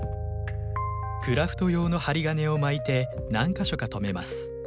クラフト用の針金を巻いて何か所か留めます。